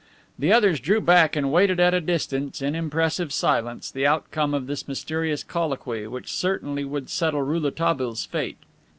The others drew back and waited at a distance, in impressive silence, the outcome of this mysterious colloquy, which certainly would settle Rouletabille's fate.